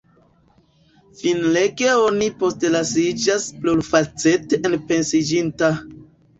Finlege oni postlasiĝas plurfacete enpensiĝinta.